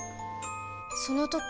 その時